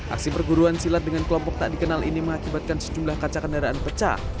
aksi perguruan silat dengan kelompok tak dikenal ini mengakibatkan sejumlah kaca kendaraan pecah